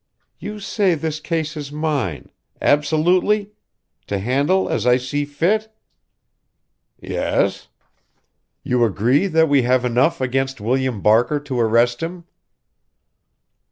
"You say this case is mine absolutely? To handle as I see fit?" "Yes." "You agree that we have enough against William Barker to arrest him?"